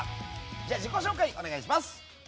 自己紹介、お願いします。